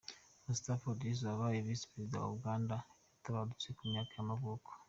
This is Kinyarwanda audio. Mustafa Adrisi, wabaye visi perezida wa Uganda yaratabarutse, ku myaka y’amavuko.